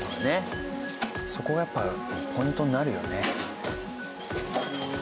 そこがやっぱりポイントになるよね。